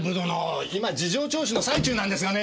今事情聴取の最中なんですがね。